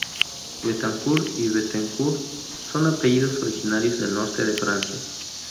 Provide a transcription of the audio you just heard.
Betancourt y Bettencourt son apellidos originarios del norte de Francia.